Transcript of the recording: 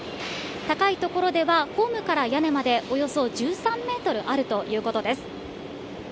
高い所では、ホームから屋根までおよそ１３メートルあるということです。